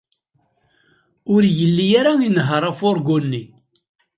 Ur yelli ara inehheṛ afurgu-nni.